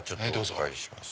お借りします。